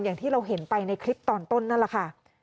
อย่างที่เราเห็นไปในคลิปตอนต้นนั่นแหละค่ะ